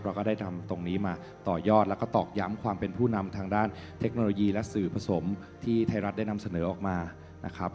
เราก็ได้นำตรงนี้มาต่อยอดแล้วก็ตอกย้ำความเป็นผู้นำทางด้านเทคโนโลยีและสื่อผสมที่ไทยรัฐได้นำเสนอออกมานะครับ